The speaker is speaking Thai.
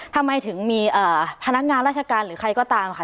ทำไมถึงมีพนักงานราชการหรือใครก็ตามค่ะ